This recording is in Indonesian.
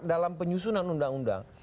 dalam penyusunan undang undang